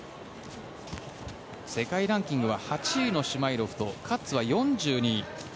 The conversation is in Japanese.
世界ランキングは８位のシュマイロフとカッツは４２位。